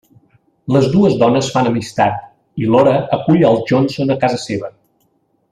Les dues dones fan amistat i Lora acull els Johnson a casa seva.